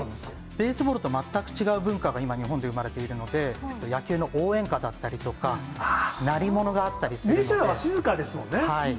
ベースボールと全く違う文化が今、日本で生まれているので、野球の応援歌だったりとか、メジャーは静かですもんね。